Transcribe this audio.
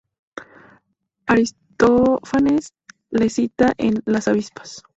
Aristófanes le cita en "Las avispas".